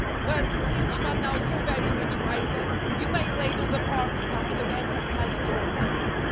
But, since you are now so very much wiser, you may label the parts after Bettie has drawn them."